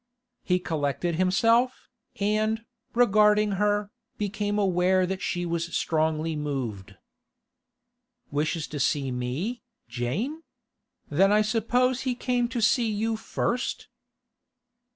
He collected himself, and, regarding her, became aware that she was strongly moved. 'Wishes to see me, Jane? Then I suppose he came to see you first?